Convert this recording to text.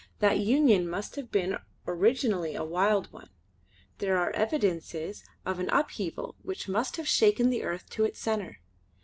That union must have been originally a wild one; there are evidences of an upheaval which must have shaken the earth to its centre.